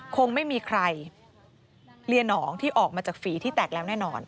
คงไม่มีใครเลียหนองที่ออกมาจากฝีที่แตกแล้วแน่นอน